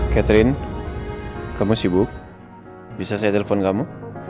catherine kamu sibuk bisa saya telepon kamu